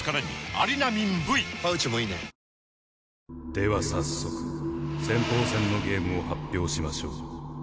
では早速先鋒戦のゲームを発表しましょう。